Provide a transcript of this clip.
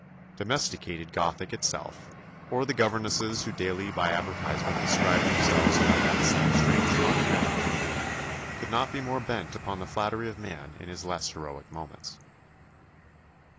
"Domesticated" Gothic itself, or the governesses who daily by advertisement describe themselves by that same strange modern adjective, could not be more bent upon the flattery of man in his less heroic moments.